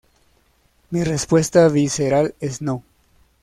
Mi respuesta visceral es no.